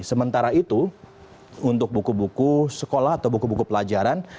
sementara itu untuk buku buku sekolah atau buku buku pelajaran